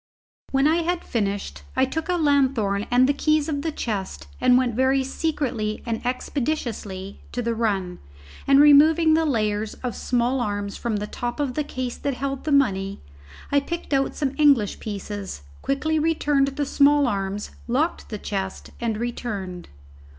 When I had finished, I took a lanthorn and the keys of the chest and went very secretly and expeditiously to the run, and removing the layers of small arms from the top of the case that held the money, I picked out some English pieces, quickly returned the small arms, locked the chest, and returned.